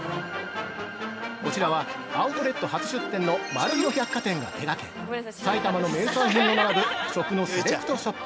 ◆こちらはアウトレット初出店の丸広百貨店が手掛け、埼玉の名産品が並ぶ食のセレクトショップ